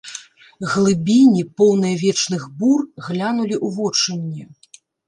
Глыбіні, поўныя вечных бур, глянулі ў вочы мне.